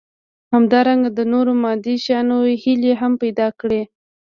همدارنګه د نورو مادي شيانو هيلې هم پيدا کړي.